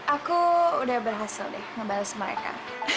aku udah berhasil deh ngebalas mereka